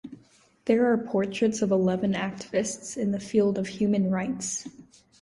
These are portraits of eleven activists in the field of human rights.